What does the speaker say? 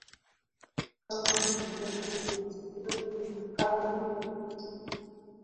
kama ni ngome ya zamani makali ya kijiji